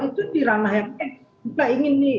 itu diranah yang kita ingin